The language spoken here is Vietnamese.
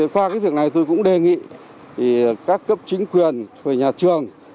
qua cái việc này tôi cũng đề nghị các cấp chính quyền nhà trường